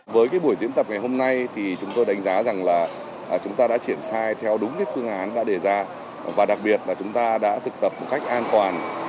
với cái buổi diễn tập ngày hôm nay thì chúng tôi đánh giá rằng là chúng ta đã triển khai theo đúng phương án đã đề ra và đặc biệt là chúng ta đã thực tập một cách an toàn